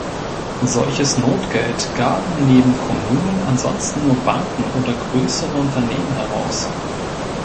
Solches Notgeld gaben neben Kommunen ansonsten nur Banken oder größere Unternehmen heraus.